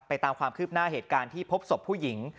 ตามความคืบหน้าเหตุการณ์ที่พบศพผู้หญิง